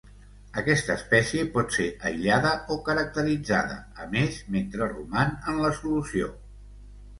Aquesta espècie pot ser aïllada o caracteritzada, a més, mentre roman en la solució.